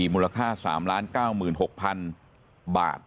มูลค่า๓๙๖๐๐๐บาท